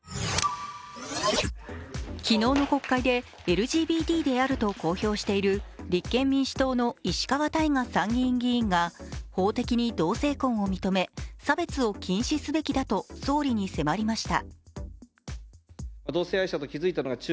昨日の国会でＬＧＢＴであると公表している立憲民主党の石川大我参議院議員が法的に同性婚を認め差別を禁止すべきだと総理に迫りました。